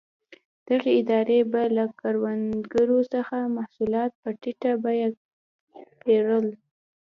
دغې ادارې به له کروندګرو څخه محصولات په ټیټه بیه پېرل.